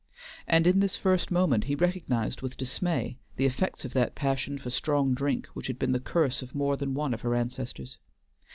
And in this first moment he recognized with dismay the effects of that passion for strong drink which had been the curse of more than one of her ancestors.